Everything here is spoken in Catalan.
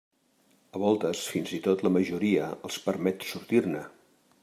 A voltes fins i tot la majoria els permet sortir-ne.